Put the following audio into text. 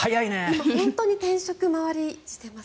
今、本当に転職、周りがしてます。